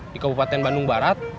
di kabupaten bandung barat